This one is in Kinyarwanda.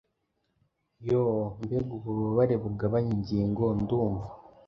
Yoo mbega ububabare bugabanya ingingo ndumva!